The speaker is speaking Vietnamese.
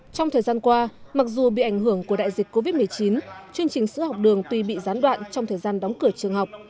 trong thời gian qua mặc dù bị ảnh hưởng của đại dịch covid một mươi chín chương trình sữa học đường tuy bị gián đoạn trong thời gian đóng cửa trường học